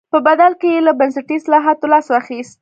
په بدل کې یې له بنسټي اصلاحاتو لاس واخیست.